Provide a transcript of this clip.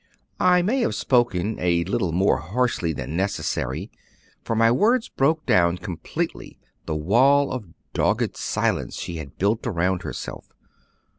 I may have spoken a little more harshly than necessary, for my words broke down completely the wall of dogged silence she had built around herself.